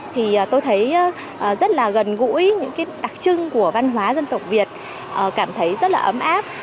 thì tôi thấy rất là gần gũi những cái đặc trưng của văn hóa dân tộc việt cảm thấy rất là ấm áp